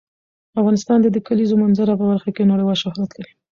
افغانستان د د کلیزو منظره په برخه کې نړیوال شهرت لري.